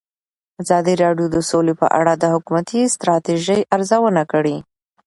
ازادي راډیو د سوله په اړه د حکومتي ستراتیژۍ ارزونه کړې.